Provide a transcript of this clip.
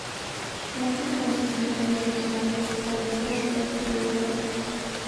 Muchos concesionarios regionales se establecieron previamente.